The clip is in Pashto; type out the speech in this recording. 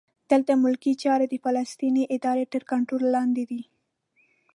دلته ملکي چارې د فلسطیني ادارې تر کنټرول لاندې دي.